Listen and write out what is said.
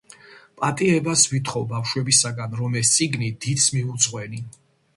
პატიებას ვითხოვ ბავშვებისაგან, რომ ეს წიგნი დიდს მივუძღვენი.